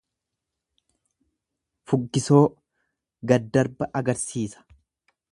Fuggisoo, gaddarba agarsiisa.